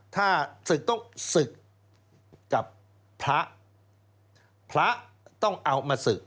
ถ้าศึกต้องศึกกับพระพระต้องเอามาศึก